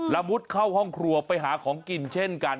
ละมุดเข้าห้องครัวไปหาของกินเช่นกัน